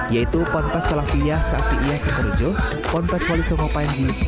yaitu pondok selafiyah selafiyah sengkerujo pondok wali sungkopanji